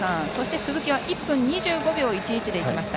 鈴木は１分２５秒１１でいきました。